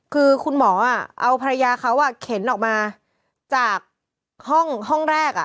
คือคุณหมอเอาภรรยาเขาเข็นออกมาจากห้องแรก